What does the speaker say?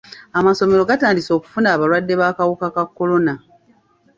Amasomero gatandise okufuna abalwadde b'akawuka ka kolona.